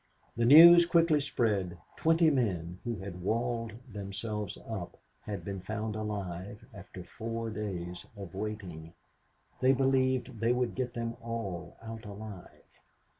The news quickly spread, twenty men, who had walled themselves up had been found alive after four days of waiting. They believed they would get them all out alive.